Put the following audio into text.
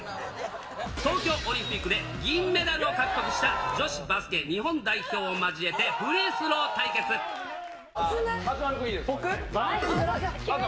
東京オリンピックで銀メダルを獲得した女子バスケ日本代表を交え松丸君いいですか。